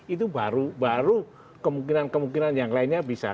itu baru baru kemungkinan kemungkinan yang lainnya bisa